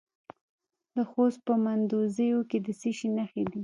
د خوست په مندوزیو کې د څه شي نښې دي؟